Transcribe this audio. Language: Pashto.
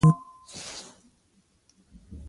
هندي موسیقۍ پر افغاني هنر څه اغېز کړی دی؟